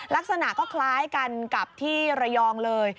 ลักษณะก็คล้ายกันกับที่ระยองเลย